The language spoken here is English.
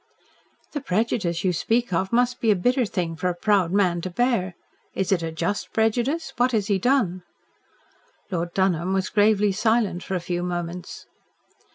"The prejudice you speak of must be a bitter thing for a proud man to bear. Is it a just prejudice? What has he done?" Lord Dunholm was gravely silent for a few moments.